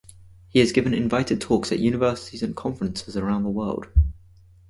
He has given invited talks at universities and conferences around the world.